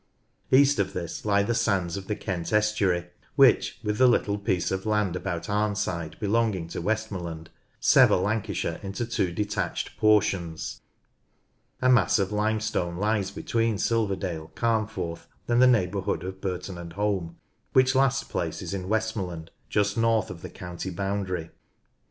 East of this lie the sands of the Kent estuary which, with the little piece of land about Arnside belonging to Westmorland, sever Lancashire into two detached portions. A mass of limestone lies between Silverdale, Carnforth, and the neighbourhood of Burton and Holme, which last place is in Westmorland, just north of the county boundary.